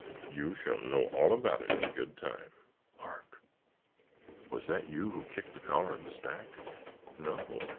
"You shall know all about it in good time. Hark! Was that you who kicked the collar of the stack?" "No.